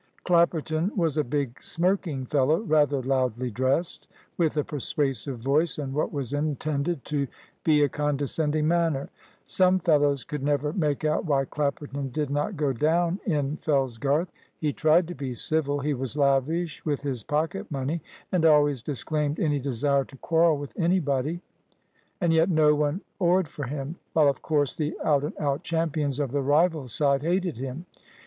Clapperton was a big, smirking fellow, rather loudly dressed, with a persuasive voice and what was intended to be a condescending manner. Some fellows could never make out why Clapperton did not go down in Fellsgarth. He tried to be civil, he was lavish with his pocket money, and always disclaimed any desire to quarrel with anybody. And yet no one oared for him, while of course the out and out champions of the rival side hated him.